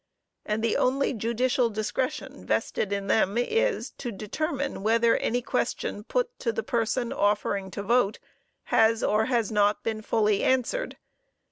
And the only judicial discretion vested in them is, to determine whether any question put to the person offering to vote, has or has not, been fully answered.